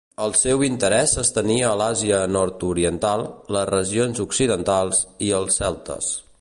El seu interès s'estenia a l'Àsia nord-oriental, les regions occidentals i els celtes.